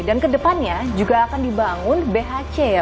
dan kedepannya juga akan dibangun bhc ya pak